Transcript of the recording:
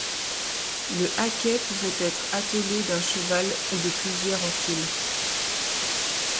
Le haquet pouvait être attelé d’un cheval ou de plusieurs en file.